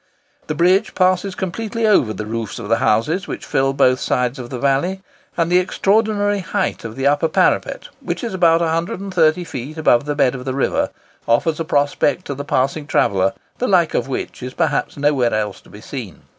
The bridge passes completely over the roofs of the houses which fill both sides of the valley; and the extraordinary height of the upper parapet, which is about 130 feet above the bed of the river, offers a prospect to the passing traveller the like of which is perhaps nowhere else to be seen.